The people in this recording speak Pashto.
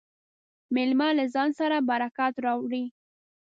مېلمه له ځان سره برکت راوړي.